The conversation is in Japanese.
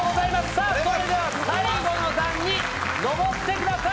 さぁそれでは最後の段に上ってください！